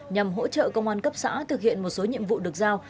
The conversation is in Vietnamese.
nhằm hỗ trợ công an cấp xã thực hiện một số nhiệm vụ được giao